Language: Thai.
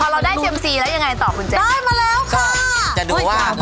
แล้วได้รถ๕บาห์